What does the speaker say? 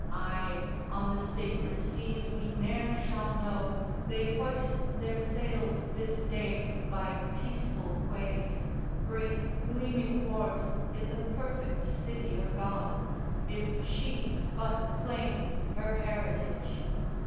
Ay, on the sacred seas we ne'er shall know They hoist their sails this day by peaceful quays, Great gleaming wharves in the perfect City of God, If she but claim her heritage."